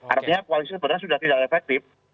artinya koalisi sebenarnya sudah tidak efektif